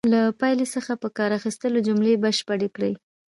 له پایلې څخه په کار اخیستلو جملې بشپړې کړئ.